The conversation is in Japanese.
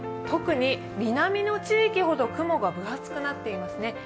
特に南の地域ほど雲が分厚くなっていますね。